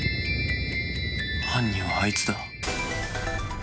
犯人はあいつだ。